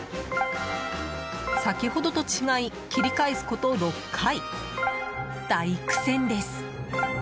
先ほどと違い切り返すこと６回、大苦戦です。